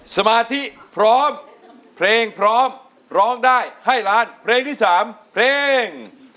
สมาธิพร้อมเพลงพร้อมร้องได้ให้ล้านเพลงที่๓เพลง